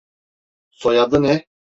Soyadı ne?